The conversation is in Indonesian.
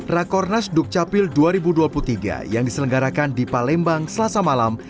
rakornas dukcapil dua ribu dua puluh tiga yang diselenggarakan di palembang selasa malam